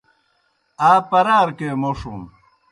آ پرارکے موْݜُن۔